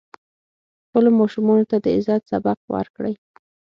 خپلو ماشومانو ته د عزت سبق ورکړئ.